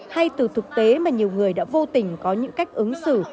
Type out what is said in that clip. hay từ thực tế mà nhiều người đã vô tình có những cách ứng xử